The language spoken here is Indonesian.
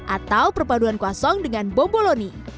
atau perpaduan kwasong dengan bomboloni